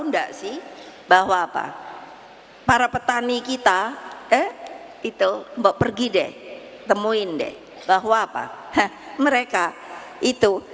enggak sih bahwa apa para petani kita eh itu mbok pergi deh temuin deh bahwa apa mereka itu